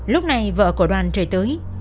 lúc này vợ của đoàn trời tưới